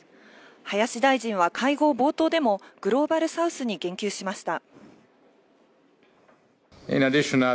林大臣は会合冒頭でも、グローバルサウスに言及しました。